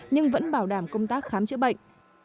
nhưng vẫn bảo đảm công tác khám chữa bệnh